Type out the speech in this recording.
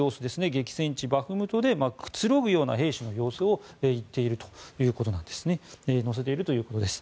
激戦地バフムトでくつろぐような兵士の様子を載せているということです。